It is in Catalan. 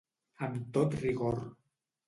Amb tot rigor.